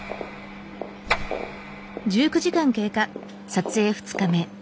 撮影２日目。